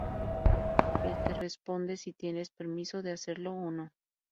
El te responde si tienes permiso de hacerlo o no.